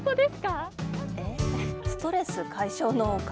ストレス解消の丘？